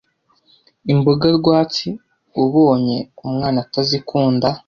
Imboga rwatsi ubonye umwana atazikunda